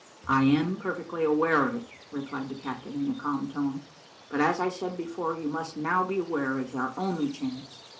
"I am perfectly aware of it," replied the captain, in a calm tone; "but, as I said before, and you must now be aware, it is our only chance.